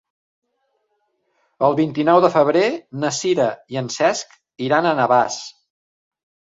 El vint-i-nou de febrer na Sira i en Cesc iran a Navàs.